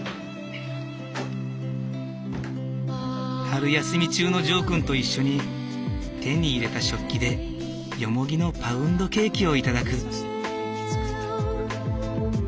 春休み中のジョーくんと一緒に手に入れた食器でヨモギのパウンドケーキを頂く。